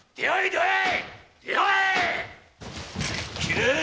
出会えー‼